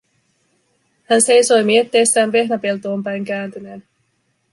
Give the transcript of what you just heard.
Hän seisoi mietteissään vehnäpeltoon päin kääntyneenä.